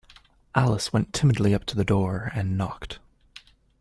Alice went timidly up to the door, and knocked.